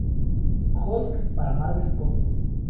Hulk" para Marvel Comics.